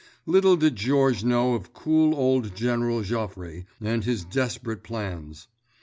Little did Georges know of cool old General Joffre and his desperate plans.